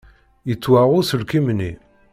Yettwaɣ uselkim-nni.